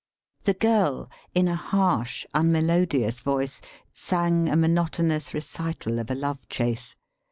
The girl in a harsh unmelodious voice sang a monotonous recital of a love chase.